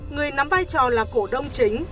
người nắm vai trò là cổ đông chính